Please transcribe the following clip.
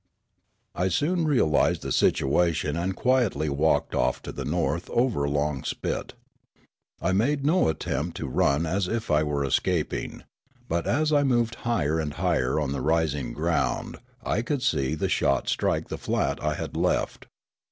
I soon realised the situation and quietly walked off" to the north over a long spit. I made no attempt to run as if I were escaping. But as I moved higher and higher on the rising ground I could see the shot strike the flat I had left.